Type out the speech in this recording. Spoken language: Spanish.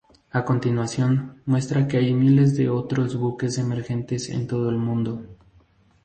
A continuación, muestra que hay miles de otros buques emergentes en todo el mundo.